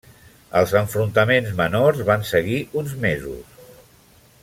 Els enfrontaments menors van seguir uns mesos.